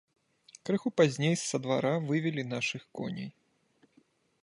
Крыху пазней са двара вывелі нашых коней.